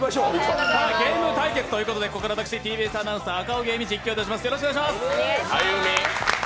ゲーム対決ということでここから私、ＴＢＳアナウンサー・赤荻歩実況いたします。